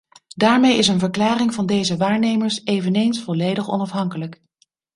Daarmee is een verklaring van deze waarnemers eveneens volledig onafhankelijk.